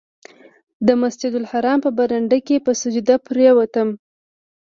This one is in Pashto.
د مسجدالحرام په برنډه کې په سجده پرېوتم.